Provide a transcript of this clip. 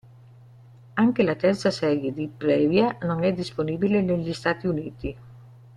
Anche la terza serie di Previa non è disponibile negli Stati Uniti.